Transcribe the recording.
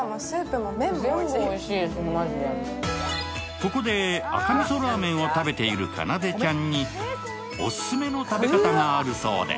ここで、赤味噌ラーメンを食べているかなでちゃんに、おすすめの食べ方があるそうで。